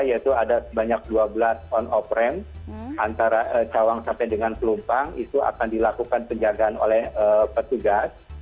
yaitu ada sebanyak dua belas on off ramp antara cawang sampai dengan pelumpang itu akan dilakukan penjagaan oleh petugas